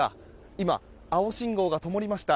今、青信号が灯りました。